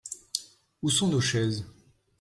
Où sont nos chaises ?